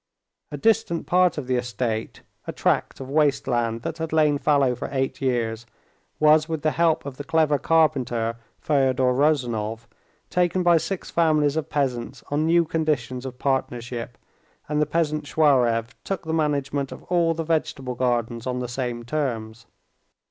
A distant part of the estate, a tract of waste land that had lain fallow for eight years, was with the help of the clever carpenter, Fyodor Ryezunov, taken by six families of peasants on new conditions of partnership, and the peasant Shuraev took the management of all the vegetable gardens on the same terms.